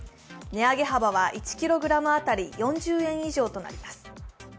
値上げ幅は１ｋｇ当たり４０円以上となります。